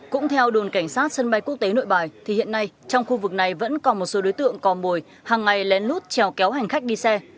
cũng theo đồn cảnh sát sân bay quốc tế nội bài thì hiện nay trong khu vực này vẫn còn một số đối tượng cò mồi hàng ngày lén lút trèo kéo hành khách đi xe